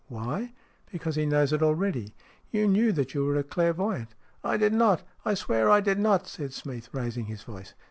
Why ? Because he knows it already. You knew that you were a clairvoyant." " I did not. I swear I did not !" said Smeath, raising his voice.